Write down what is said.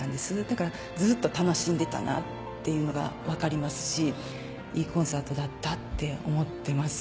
だからずっと楽しんでいたなっていうのが分かりますしいいコンサートだったって思ってます。